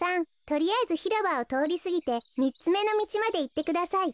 とりあえずひろばをとおりすぎてみっつめのみちまでいってください。